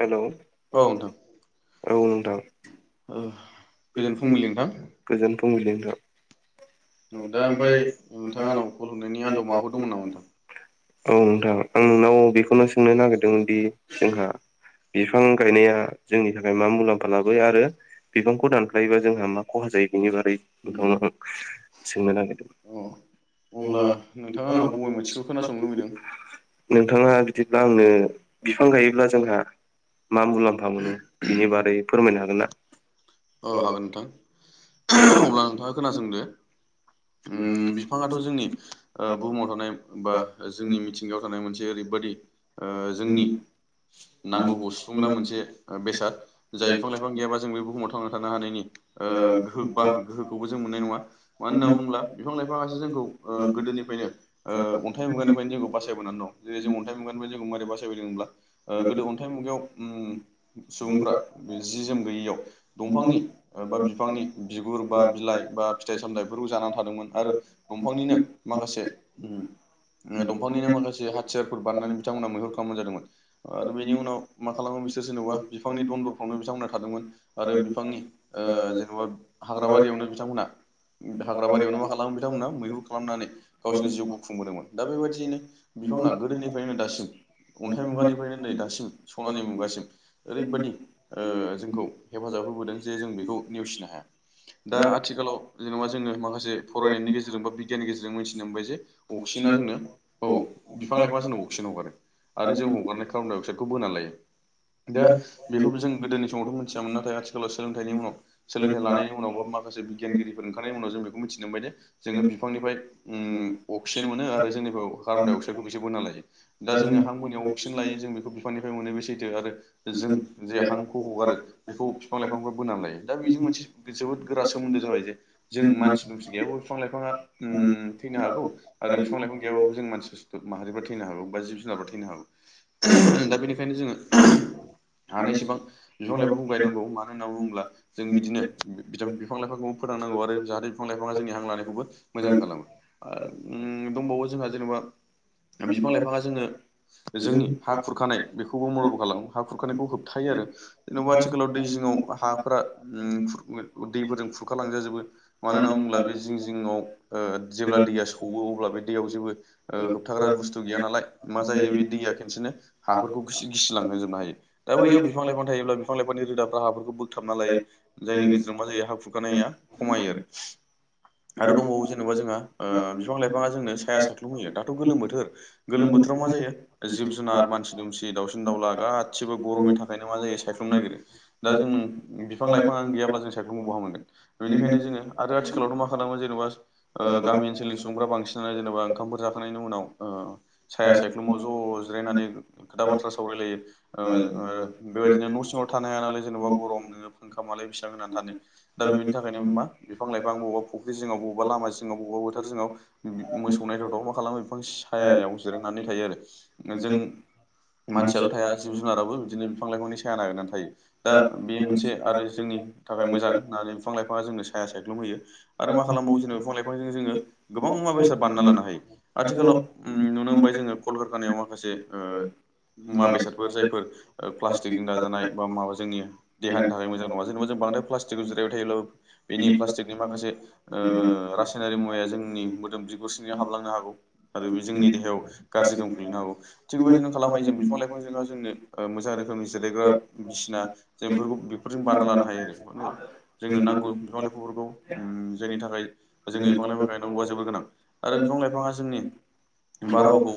Hello औ औ नोंथां ओ गोजोन फुंबिलि नोंथां गोजोन फुंबिलि नोंथां दा ओमफ्राय नोंथां आंनाव कल हरनायनि आन्दाव माबाफोर दंमोन नामा नोंथां औ नोंथां आं नोंनाव बे खौनो सोंनो नागिरदोंमोन दि जोंहा बिफां गायनाया जोंनि थाखाय मा मुलाम्फा लाबोयो आरो बिफांखौ दानफ्लायोबा जोंहा मा खहा जायो बेनि बारै उम नोंथांनाव सोंनो नागिरदों अ अब्ला [unintelligible] नोंथाङा आंनाव बबे मोनसेखौ खोनासंनो लुबैदों? नोंथाङा बिदिब्ला आंनो बिफां गायोब्ला जोंहा मा मुलाम्फा मोनो बिनि बारै फोरमायनो हागोन ना अ हागोन नोंथां अब्ला नोंथाङा खोनासंदो उम बिफाङाथ जोंनि ओ बुहुमाव थानाय बा जोंनि मिथिंगायाव थानाय मोनसे ओरै बेबादि ओ जोंनि नांगौखौ सुफुंग्रा मोनसे ओ बेसाद जाय बिफां लाइफां गैयाबा जों बे बुहुमाव थांना थानो हानायनि ओ गोहो बा गोहोखौबो जों मोननाय नङा मानो होनना बुङोब्ला बिफां लाइफाङासो जों खौ गोदोनिफ्रायनो ओ अन्थाइ मुगानिफ्रायनो जोंखौ बासायबोनानै दं जेरै जों अन्थाइ मुगानिफ्राय जों मोरै बासायबायदोंब्ला गोदो अन्थाइ मुगायाव उम सुबुंफ्रा जि जोम गैयियाव दंफांनि बा बिफांनि बिगुर बा बिलाइ बा फिथाइ सामथाइफोरखौ जानानै थादोंमोन आरो दंफांनिनो माखासे उम दंफांनिनो माखासे हाथियार बारनानै बिथांमोना मैहुर खालामनाय जादोंमोन आरो बेनि उनाव मा खालामो बिसोर जेनबा बिफांनि दनदरफ्रावनो थादोंमोन आरो बिफांनि ओ जेनेबा हाग्राबारियावनो बिथांमोनहा हाग्रा बारियावनो मा खालामो बिथांमोना मैहुर खालामनानै गावसोरनि जिउखौ खुंबोदोंमोन दा बेबायदियैनो बिफाङा गोदोनिफ्रायनो दासिम अन्थाइ मुगानिफ्रायनो नै दासिम सनानि मुगासिम ओरैबायदि ओ जोंखौ हेफाजाब होबोदों जे जों बेखौ नेवसिनो हाया दा आथिखालाव जेनेबा जोङो माखासे फरायनायनि गेजेरजों बा बिगियाननि गेजेरजों मिथिनो मोनबाय जे अक्सिजेन जोंनो औ बिफां लाइफांया जोंनो अक्सिजेन हगारो आरो जों हगारनाय कार्बनडाय अक्साइडखौ बोना लायो दा बेखौबो जों गोदोनि समावथ मोनथि यामोन नाथाय आथिखालाव सोलोंथाइनि उनाव सोलोंथाइ लानायनि उनावाबो माखासे बिगियानगिरिफोर ओंखारनायनि उनाव जों बेखौ मिथिनो मोनबाय दे जोङो बिफांनिफ्राय उम अक्सिजेन मोनो आरो जोंनि कार्बन डाइअक्साइदखौ [unintelligible] बोना लायो दा जोङो हां बोनायाव अक्सिजेन लायो जों बेखौ बिफांनिफ्राय मोनो बे सैथो आरो जों जे हांखौ हगारो बेखौ बिफां लाइफांफोरा बोना लायो दा बेजों मोनसे जोबोद गोरा सोमोन्दो जाबाय जे जों मानसि दुमसि [unintelligible] बिफां लाइफाङा उम थैनो हागौ आरो बिफां लाइफां गैयाबाबो जों मानसि माहारिफ्रा थैनो हागौ बा जिब जुनारफ्रा थैनो हागौ दा बेनिखायनो जोङो हानाय सेबां बिफां लाइफां [unintelligible] मानो होनना बुङोब्ला जों बिदिनो बिफां [unintelligible] [unintelligible] मोजां खालामो आरो उम दंबावो जोंहा जेनेबा बिफां लाइफाङा जोङो जोंनि हा खुरखानाय बेखौबो मदद खालामो हा खुरखानायखौ होबथाय यो आरो जेनबा आगोलाव दै जिङाव हाफोरा दैफोरजों खुरखालांजाजोबो मानो होनना बुङोब्ला बे जि जिंङाव ओ जेब्ला दैया सौवओ अब्ला बे दैयाव जेबो ओ होबथाग्रा बुस्थु गैया नालाय मा जायो बे दैया खेनसेनो हाफोरखौ गिसिलांजोबनो हायो दा आरो बेयाव बिफां लाइफां थायोब्ला बिफां लाइफांनि रोदाफ्रा हाफोरखौ बोगथाबना लायो जायनि गेजेराव मा जायो हा खुखानाया खमायो आरो आरो दंबावो जेनेबा जोंहा बिफां लाइफाङा जोंनो साया साख्लुम होयो दाथ' गोलोम बोथोर गोलोम बोथोर बोथोराव मा जायो जिब जुनार मानसि दुमसि दावउसिन दाउला गासिबो गरमनि थाखायनो मा जायो सायख्लुमनो नागिरो दा जों बिफां लाइफां गैयाब्ला जों सायख्लुमखौ बहा मोनगोन बेनिखायनो जोङो आरो सिलाव दा माखादों ओ गामि ओनसोलनि सुबुंफोरा बांसिनानो जेनेबा ओंखामफोर जाखांनायनायनि उनाव साया सायख्लुमाव ज' अ जिरायनानै खोथा बाथ्रा साव ओ बेबायदिनो सिंआव थानो हाया नालाय जेनेबा गरम नोङ फांखा मालाय बेसेबां होनानै थानो दा बेनि थाखायनो मा बिफां लाइफां [unintelligible] जिङिव बबेबा लामा सिंआव बबेबा बोथोर जाव मोसौनाय मा खालामो बिफां सायाव जिरांनानै थायो। जों मानसियाल' थाया जिब जुनाराबो बिदिनो बिफां लाइफांनि साया नागिरनानै थायो दा बेयो मोनसे आरो जोंनि थाखाय मोजां बिफां लाइफाङा जोंनो साया सायख्लुुम होयो। आरो मा खालामबावो जोंङो बिफां लाइफांजों जोङो गोबां मुवा बेसाद बानायना लानो हायो आथिखालाव उम नुनो मोनबाय जोंङो कलकारकानायाव माखसे ओ मुवा बेसादफोर जायफोर ओ जोंनि नाजानाय बा माबा जोंनि देहानि थाखाय मोजां नङा जेनेबा जों बांद्राय प्लासटिकआव जिरायबाय थायोब्लाबो बेनि प्लास्टिकनि माखासे ओ रासायनारि मुवाया जोंनि मोदोम बिगुरसिङाव हाबलांनो हागौ आरो बे जोंनि देहायाव हैनो हागौ थिग बेबायदिनो खालाम हायो जों बिफां लाइफां‌ जों ओ रोखोमनि जिरायग्रा बिसिना जों बेफोरखौ बेफोरजों बारना लानो हायो आरो। जोंनो नांगौ बिफा लाइफांफोरखौ उम जायनि थाखाय जोंनि बिफां लाइफां गायनांगौआ जोबोर गोनां आरो बिफां लाइफाङा जोंनि बारहावाखौ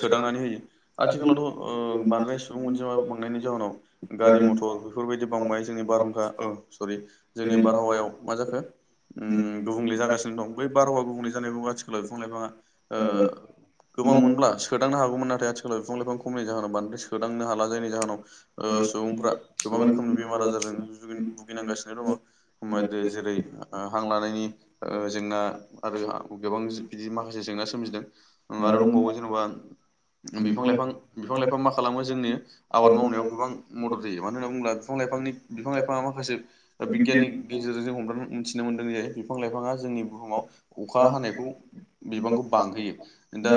सोदांनानै होयो आथिखालावथ' ओ बांद्राय सुबुं अनजिमा थांनायनि जाहोनाव गारि मथर बेफोरबायदि बांबाय जोंनि बारहुंखा सरि जोंनि बारहावायाव मा जाखो? उम गुबुंले जागासिनो दं बै बारहावा गुबुंले जानाय आथिखालाव बिफां लाइफाङा ओ गोबां मोनब्ला सोदांनो हागौमोन नाथाय आथिखालाव बिफां लाइफां खमनि जाहोन बांद्राय सोदांनो हाला नि जाहोनाव ओ सुबुंफ्रा गोबां रोखोमनि बेमार आजारजों भुगिनांगासिनो दङ। जेरै आ हां लानायनि ओ जेंना आरो गोबां बिदि माखासे जेंना सोमजिदों आरो बावो जेनेबा बिफां लाइफां बिफां लाइफां मा खालामो जोंनि आबाद मावनायाव गोबां मदद होयो मानो होनना बुङोब्ला बिफां लाइफांनि बिफां लाइफाङा माखासे बिगियाननि गेजेरजों जों हम मिथिनो मोनदों जे बिफां लाइफाङा जोंनि बुहुमाव अखा हानायखौ बिबांखौ बां बे दा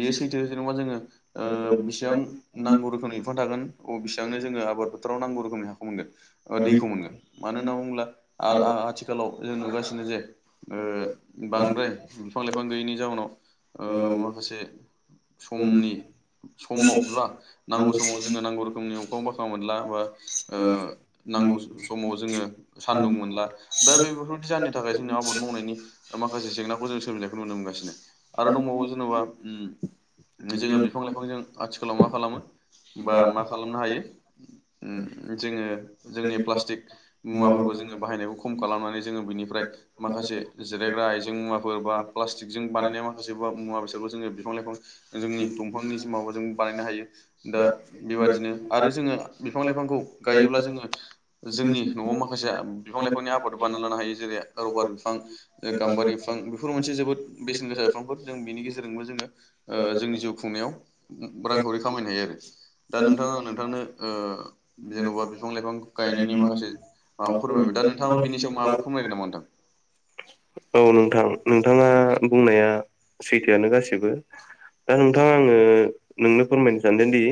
बेयो सैथो जोङो ओ बेसेबां नांगौ रोखोमनि बिफां थागोन बेसेबांनो जोङो आबाद फोथोराव नांगौ रोखोमनि हाखौ मोनगोन ओ दैखौ मोनगोन मानो होनना बुङोब्ला आरो आ आथिखालाव जों नुगासिनो जे ओ बांद्राय बिफां लाइफां गैयैनि जाउनाव ओ माखासे समनि समाव बा नांगौ सम दङ जोंना नांगौ रोखोमनि अखां‌ बाखां मोनला ओ नांगौ समाव जोङो सा दौ मोनला दा बेफोरबायदि जानोनि थाखाय जोंनि आबाद मावनायनि माखासे जेंनाखौ जों सजिनायखौ नुनो मोनगासिनो। आरो दंबावो जेनेबा उम जोङो बिफां लाइफांजों आथिखालाव मा खालामो बा मा खालामनो हायो जोङो जोंनि प्लास्टिक मुवाफोर ज मा बानायनाय माखासे मुवा बेसादबो जोङो बिफां लाइफां जोंनि दंफांनि जि माबा जों बानायनो हायो। दा बेबादिनो आरो जोङो बिफां लाइफांखौ गायोब्ला जोङो जोंनि न'आव मा बिफां लाइफांनि आबाद बानायना लानो हायो जेरै रबार बिफां गाम्बारि बिफां बेफोर मोनसे जोबोद बेसेन गोसा बिफांफोर। जों बिनि गेजेरजोंबो जोङो जोंनि जिउ खुंनायाव रांखावरि खामायनो हायो आरो। दा नोंथाङा नोंथांनो ओ जेन'बा बिफां लाइफां गायनायनि माखासे मा फोरमायबाय दा नोंथाङा बिनि सायाव माफोर फोरमायगोन ना नोंथां? औ नोंथां नोंथाङा बुंनाया सैथोआनो गासिबो। दा नोंथाङा आङो नोंनो फोरमायनो सानदोंदि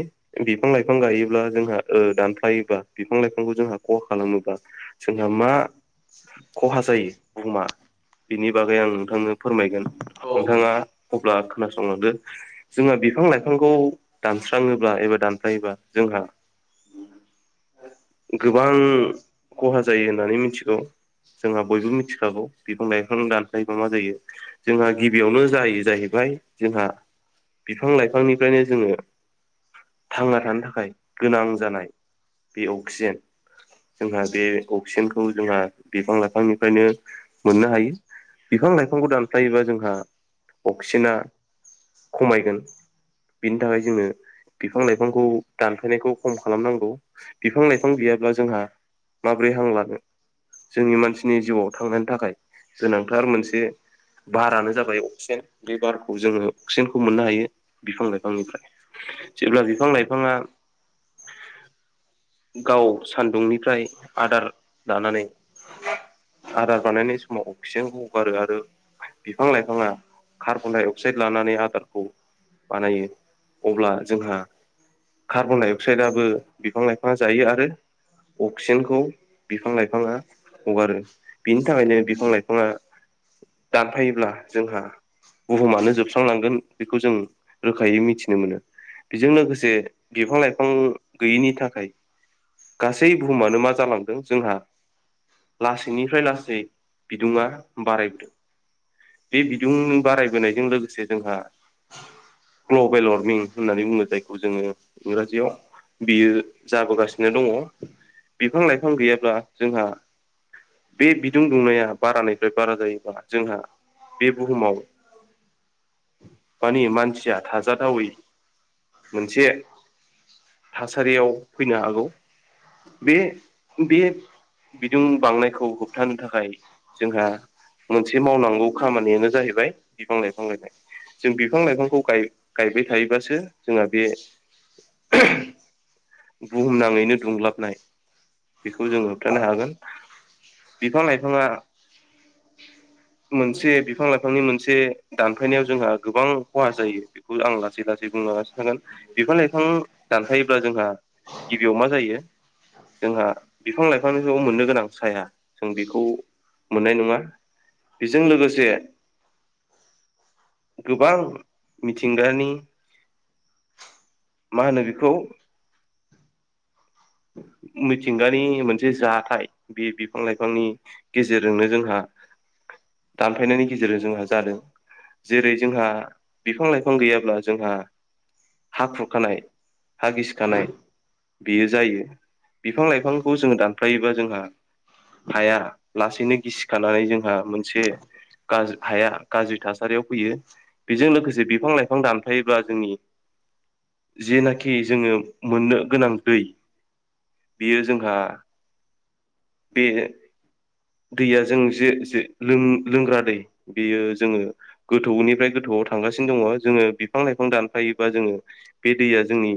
बिफां लाइफां गायोब्ला जोंहा दा योबा बिफां लाइफांखौ जोंहा खहा खालामोबा जोंहा मा खहा जायो बुुहुमा बिनि बागै आं नोंथांनो फोरमायगोन। औ नोंथाङा अब्ला खोनासंलांदो जोंहा बिफां लाइफांखौ दानस्राङोब्ला एबा दानफायोबा जोंहा गोबां खहा जायो होननानै मिथिगौ। जोंहा बयबो मिथिखागौ बिफां लाइफां दानफायोबा मा जायो। जोंहा गिबियावनो जायो जाहैबाय जोंहा बिफां लाइफांनिफ्रायनो जोङो थांना थानो थाखाय गोनां जानाय बे अक्सिजेन जोंहा बे अक्सिजेनखौ जोंहा बिफां लाइफांनिफ्रायनो मोननो हायो। बिफां लाइफांखौ दानफायोबा जोंहा अक्सिजेना खमायगोन। बिनि थाखाय जोङो बिफां लाइफांखौ दानफायनायखौ खम खालामनांगौ बिफां लाइफां गैयाब्ला जोंहा माबोरै हां लानो। जोंनि मानसिनि जिउआव थांनायनि थाखाय गोनांथार मोनसे बारानो जाबाय अक्सिजेन। बे बार जोङो अक्सिजेनखौ मोननो हायो बिफां लाइफांनिफ्राय। जेब्ला बिफां लाइफाङा गाव सान्दुंनिफ्राय आदार दानानै आदार बानायनाय समाव अक्सिजेनखौ हगारो आरो बिफां लाइफाङा कार्बनडाय अकसाइट लानानै आदारखौ बानायो अब्ला जोंहा कार्बन डाइ अक्साइदाबो बिफां लाइफाङा जायो आरो अक्सिजेनखौ बिफां लाइफाङा हगारो। बिनि थाखायनो बिफां लाइफाङा दानफायोब्ला जोंहा बुहुमानो जोबस आंलांगोन बेखौ जों रोखायै मिथिनो मोनो। बेजों लोगोसे बिफां लाइफां गैयैनि थाखाय गासै बुहुमानो मा जालांदों जोंहा लासैनिफ्राय लासै बिदुुंआ बारायबोदों। बे बिदुं बारायबोनायजों लोगोसे जोंहा ग्लबेल वार्मिं होननानै बुङो जायखौ जोङो इंर जियाव बियो जाबोगासिनो दङ। बिफां लाइफां गैयाब्ला जोंहा बे बिदुं दुंनाया बारानिफ्राय बारा जायोब्ला जोंहा बे ए बुहुमाव [inaudible] मानि मानसिया थाजाथावै मोनसे थासारियाव फैनो हागौ। बे बे बिदुं बांनायखौ होबथानो थाखाय जोंहा मोनसे मावनांगौ खामानियानो जाहैबाय बिफां लाइफां गायनाय। जों बिफां लाइफांखौ गाय गायबाय थायोबासो जोंहा बे बुहुमनाङैनो दुंलाबनाय बेखौ जोङो होबथानो हागोन। बिफां लाइफाङा मोनसे बिफां लाइफांनि मोनसे दानफायनायाव जोंहा गोबां खहा जायो बेखौ आं लासै लासै बुंलांगासिनो थागोन। बिफां लाइफां दानफायोब्ला जोंहा गिबियाव मा जायो जोंहा बिफां लाइफांनि ज मोननो गोनां साया जों बेखौ मोननाय नङा बेजों लोगोसे गोबां मिथिंगानि मा होनो बेखौ मिथिंगानि मोनसे जाथाय बे बिफां लाइफांनि गेजेरजोंनो जोंहा दानफायनायनि गेजेरजों जोंहा जादों। जेरै जोंहा बिफां लाइफां गैयाब्ला जोंहा हा खुरखानाय हा गिसिखानाय बेयो जायो बिफां लाइफांखौ जोङो दानफायोबा जोंहा। हाया लासैनो गिसिखानानै जोंहा मोनसे गाज्रि हाया गाज्रि थासारियाव फैयो। बेजों लोगोसे बिफां लाइफां दानफायोबा जोंनि जेनाखि जोङो मोननो गोनां दै बेयो जोंहा बे दैया जों जे जे लोंग्रा दै बेयो जोङो गोथौनिफ्राय गोथौआव थांगासिनो दङ जोङो बिफां लाइफां बिफां दानफायोबा जोङो बे दैया जोंनि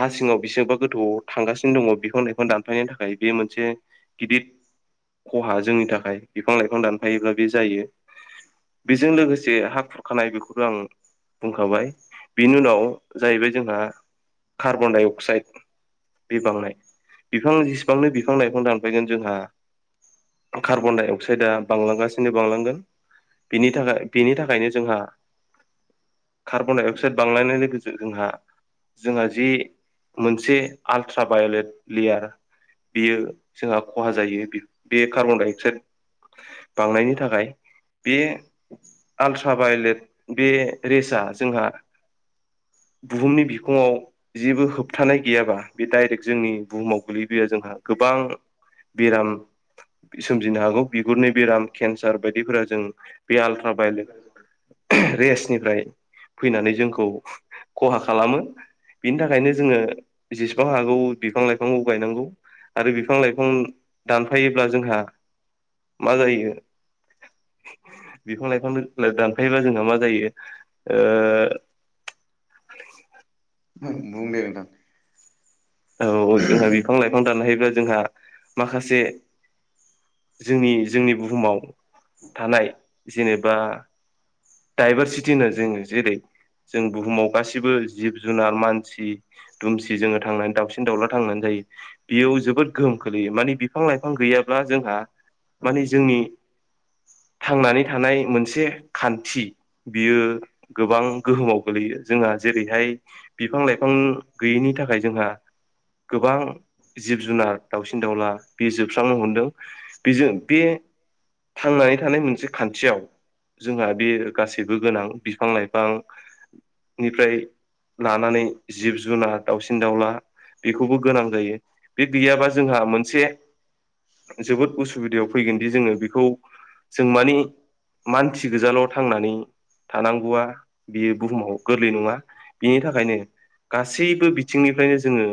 हा सिङाव बेसेबबा गोथौआव थांगासिनो दङ बिफां लाइफां दानफायनायनि थाखाय बे मोनसे गिदिर खहा जोंनि थाखाय बिफां लाइफां दानफायोब्ला बे जायो। बेजों लोगोसे हा खुरखानाय बेखौनो आं बुंखाबाय बेनि उनाव जाहैबाय जोंहा कार्बनडाइ अक्साइड बे बांनाय बिफां जेसेबांनो बिफां लाइफां दान बेजों जोंहा कार्बनडाइन अक्साइदआ बांलांगासिनो बांलांगोन बिनि थाखाय बिनि थाखायनो जोंहा कार्बन डाइ अक्साइद बांलायनायनि जोंहा जोंहा जि मोनसे आल्ट्रा भायलेट लेयार बियो जोंहा खहा जायो बे कार्बनडाइ अक्साइड बांनायनि थाखाय बे आल्ट्रा भायलेट बे रेसआ जोंहा बुहुमनि बिखुङाव जेबो होबथानाय गैयाबा बे डाइरेक्ट जोंनि बुहुमाव गोलैबोया जोंहा गोबां बेराम सोमजिनो हागौ बिगुरनि बेराम केन्सार बायदिफोरा जों बे आल्ट्राभायलेट रेसनिफ्राय फैनानै जोंखौ खहा खालामो बिनि थाखायनो जोङो जेसेबां हागौ बिफां लाइफांखौ गायनांगौ। आरो बिफां लाइफां बिफां दानफायोब्ला जोंहा मा जायो। बिफां लाइफां दानफायोबा जोंहा मा जायोओ [inaudible] बुं दे नोंथां औ औ जोंहा बिफां लाइफां दानफायोब्ला जोंहा माखासे जोंनि जोंनि बुहुमाव थानाय जेनेबा डाइभारसिटि होनो जोङो जेरै जों बुहुमाव गासिबो जिब जुनार मानसि दुमसि जोङो थांनानै बांसिन दाउला थांनानै जायो बेयाव जोबोद गोहोम खोलैयो माने बिफां लाइफां गैयाब्ला जोंहा माने जोंनि थांनानै थानाय मोनसे खान्थि बियो गोबां गोहोमाव गो ग्लैयो जोंहा जेरैहाय बिफां लाइफां गैयैनि थाखाय जोंहा गोबां जिब जुनार दाउसिन दाउला बे जोबस्रांनो हमदों बेजों बे थांनानै थानाय मोनसे खान्थियाव जोंहा बे गासैबो गोनां बिफां लाइफां निफ्राय लानानै जिब जुनार दाउसिन दाउला बेखौबो गोनां जायो बे गैयाबा जोंहा मोनसे जोबोद उसुबिदायाव फैगोनदि जोङो बेखौ जों माने मानसि गोजाल' थांनानै थानांगौआ बियो बुहुमाव गोरलै नङा। बिनि थाखायनो गासैबो बिथिंनिफ्रायनो जोङो